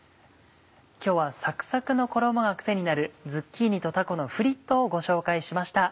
今日はサクサクの衣がクセになる「ズッキーニとたこのフリット」をご紹介しました。